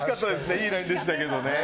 いいラインでしたけど。